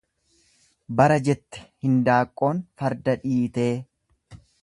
Bara jette hindaaqqoon farda dhiitee.